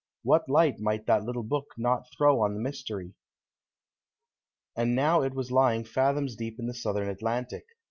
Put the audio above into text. What light might that little book not throw on the mystery? And now it was lying fathoms deep in the Southern Atlantic.